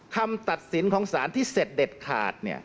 คำตัดสินของสารที่เสร็จเด็ดขาด